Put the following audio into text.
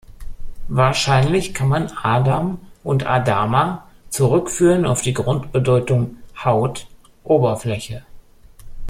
Wahrscheinlich kann man "adam" und "adama" zurückführen auf die Grundbedeutung „Haut, Oberfläche“.